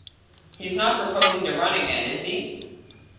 He is not proposing to run again, is he?